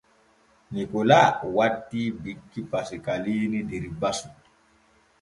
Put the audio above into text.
Nikola wattii bikki Pasiikaali der basu.